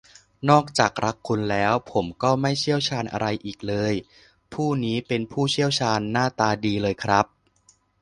นอกจากรักคุณแล้ว ผมก็ไม่เชี่ยวชาญอะไรอีกเลย ผู้นี้เป็นผู้เชี่ยวชาญหน้าตาดีเลยครับ